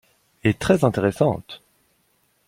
est très intéressante.